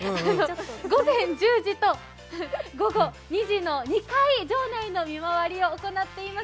午前１０時と午後２時の２回、城内の見回りを行っています。